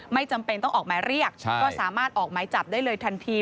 ไม่จำเป็นต้องออกหมายเรียกก็สามารถออกหมายจับได้เลยทันที